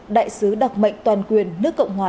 đại sứ đặc mệnh toàn quyền nước cộng hòa